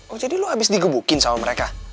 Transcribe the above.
oh jadi lo habis digebukin sama mereka